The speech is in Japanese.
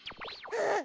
あっ。